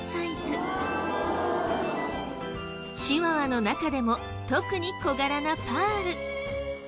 チワワの中でも特に小柄なパール。